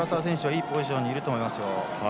いいポジションにいると思います。